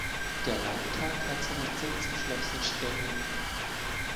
Der Landtag hat seinen Sitz im Schloß in Schwerin.